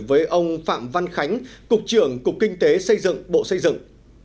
với ông phạm văn khánh cục trưởng cục kinh tế xây dựng bộ xây dựng